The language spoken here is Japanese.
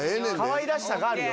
かわいらしさがあるよ